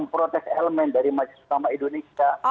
protes elemen dari majelis utama indonesia